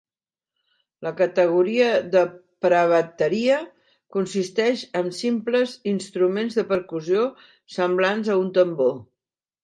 La categoria de prebateria consisteix en simples instruments de percussió semblants a un tambor.